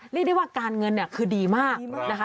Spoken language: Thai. เรียกได้ว่าการเงินคือดีมาก